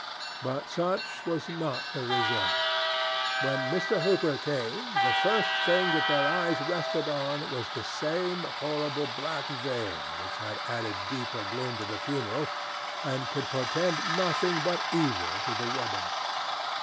But such was not the result. When Mr. Hooper came, the first thing that their eyes rested on was the same horrible black veil which had added deeper gloom to the funeral and could portend nothing but evil to the wedding.